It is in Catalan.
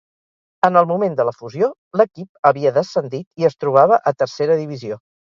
En el moment de la fusió, l'equip havia descendit i es trobava a tercera divisió.